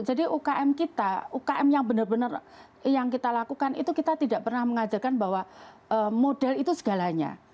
jadi ukm kita ukm yang benar benar yang kita lakukan itu kita tidak pernah mengajarkan bahwa modal itu segalanya